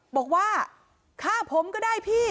บอกว่าฆ่าผมก็ได้พี่